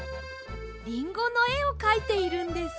リンゴのえをかいているんです。